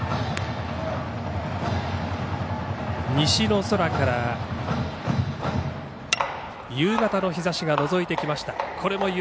西の空から夕方の日ざしがのぞいてきました。